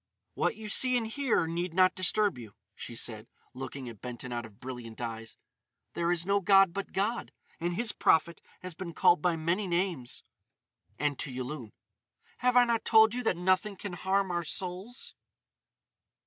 "What you see and hear need not disturb you," she said, looking at Benton out of brilliant eyes. "There is no god but God; and His prophet has been called by many names." And to Yulun: "Have I not told you that nothing can harm our souls?"